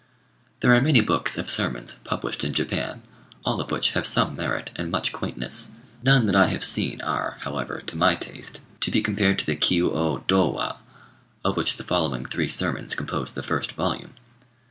There are many books of sermons published in Japan, all of which have some merit and much quaintness: none that I have seen are, however, to my taste, to be compared to the "Kiu ô Dô wa," of which the following three sermons compose the first volume.